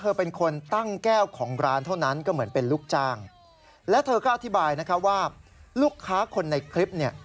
เราก็ได้พูดคุยกับเธอ